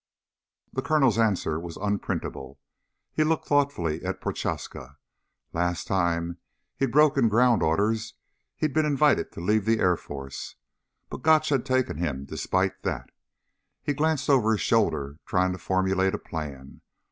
The Colonel's answer was unprintable. He looked thoughtfully at Prochaska. Last time he'd broken ground orders he'd been invited to leave the Air Force. But Gotch had taken him despite that. He glanced over his shoulder trying to formulate a plan.